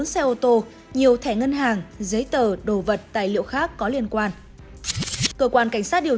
bốn xe ô tô nhiều thẻ ngân hàng giấy tờ đồ vật tài liệu khác có liên quan cơ quan cảnh sát điều